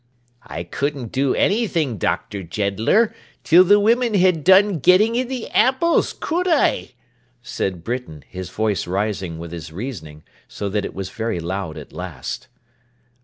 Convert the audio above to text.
'I couldn't do anything, Dr. Jeddler, till the women had done getting in the apples, could I?' said Britain, his voice rising with his reasoning, so that it was very loud at last.